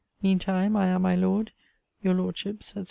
Mean time, I am, my Lord, Your Lordship's, &c.